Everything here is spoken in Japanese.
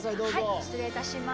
失礼いたします。